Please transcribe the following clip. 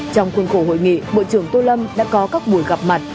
trong khuôn khổ hội nghị bộ trưởng tô lâm đã có các buổi gặp mặt